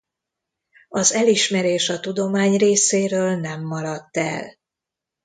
Az elismerés a tudomány részéről nem maradt el.